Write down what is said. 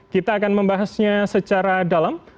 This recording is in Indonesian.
kita akan membahasnya secara dalam